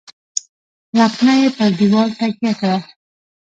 . لکڼه یې پر دېوال تکیه کړه .